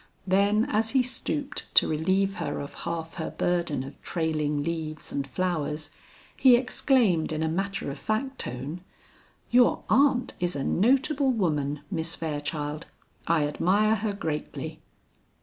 Then as he stooped to relieve her of half her burden of trailing leaves and flowers, he exclaimed in a matter of fact tone, "Your aunt is a notable woman, Miss Fairchild, I admire her greatly."